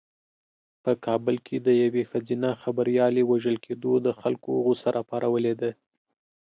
په کابل کې د یوې ښځینه خبریالې وژل کېدو د خلکو غوسه راپارولې ده.